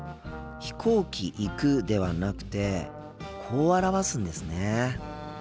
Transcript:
「飛行機行く」ではなくてこう表すんですね。